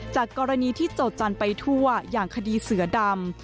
จากกรณีที่โจจันทร์ไปทั่วอย่างคดีเสือดำ